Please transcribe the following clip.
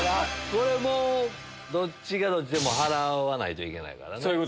これもうどっちがどっちでも払わないといけないからね。